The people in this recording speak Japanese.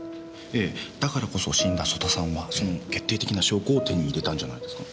ええだからこそ死んだ曽田さんはその決定的な証拠を手に入れたんじゃないですか。